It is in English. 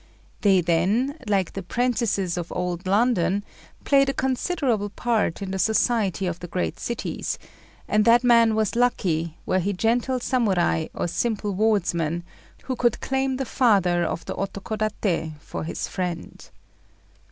They then, like the 'prentices of Old London, played a considerable part in the society of the great cities, and that man was lucky, were he gentle Samurai or simple wardsman, who could claim the Father of the Otokodaté for his friend.